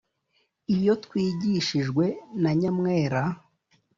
Iyo twigishijwe na nyamwera